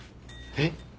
えっ！